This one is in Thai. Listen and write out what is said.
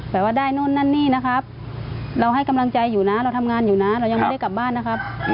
แบบว่าได้โน่นนั่นนี่นะครับเราให้กำลังใจอยู่นะเราทำงานอยู่นะเรายังไม่ได้กลับบ้านนะครับ